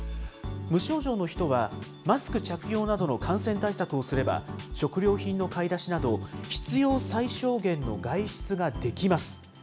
無症状の人はマスク着用などの感染対策をすれば、食料品の買い出しなど、必要最小限の外出ができます。